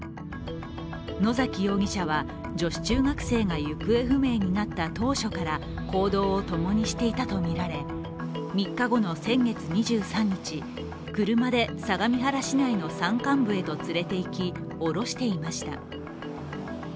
野崎容疑者は女子中学生が行方不明になった当初から行動を共にしていたとみられ、３日後の先月２３日、車で相模原市内の山間部へと連れていき降ろしていました。